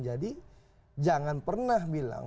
jadi jangan pernah bilang